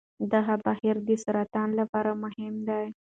دغه بهیر د سرطان لپاره مهم دی.